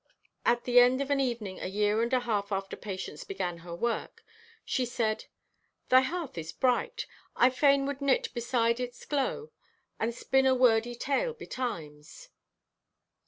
At the end of an evening a year and a half after Patience began her work, she said: "Thy hearth is bright. I fain would knit beside its glow and spinn a wordy tale betimes."